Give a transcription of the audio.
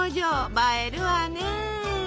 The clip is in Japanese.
映えるわね！